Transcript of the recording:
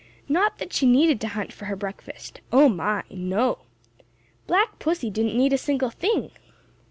Not that she needed to hunt for her breakfast; oh, my, no! Black Pussy didn't need a single thing.